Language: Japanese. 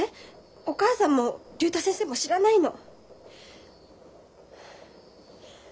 お母さんも竜太先生も知らないの。